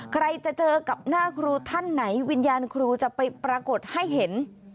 ใครจะเจอกับหน้าครูท่านไหนวิญญาณครูจะไปปรากฏให้เห็น